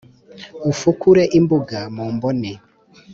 Ufukure imbuga mu mbone